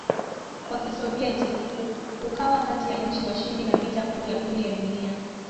wa Kisovyeti ukawa kati ya nchi washindi wa vita kuu ya pili ya dunia